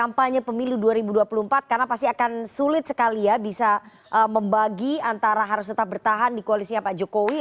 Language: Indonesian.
kampanye pemilu dua ribu dua puluh empat karena pasti akan sulit sekali ya bisa membagi antara harus tetap bertahan di koalisinya pak jokowi